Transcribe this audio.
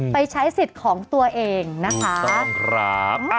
ไปใช้สิทธิ์ของตัวเองนะคะ